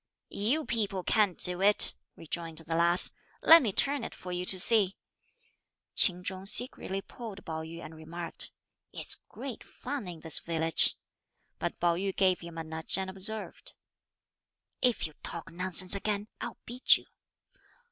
"You people can't do it," rejoined the lass, "let me turn it for you to see." Ch'in Chung secretly pulled Pao yü and remarked, "It's great fun in this village!" but Pao yü gave him a nudge and observed, "If you talk nonsense again, I'll beat you."